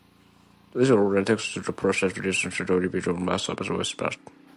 The original text of the press release can viewed on several websites.